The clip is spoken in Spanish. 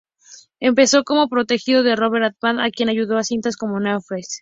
Empezó como protegido de Robert Altman, a quien ayudó en cintas como "Nashville".